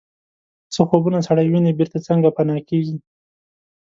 څه خوبونه سړی ویني بیرته څنګه پناه کیږي